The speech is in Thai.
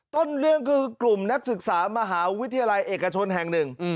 ต้นเรื่องคือกลุ่มนักศึกษามหาวิทยาลัยเอกชนแห่งหนึ่ง